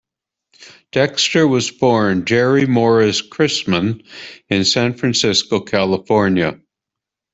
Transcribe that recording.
Dexter was born Jerry Morris Chrisman in San Franscico, California.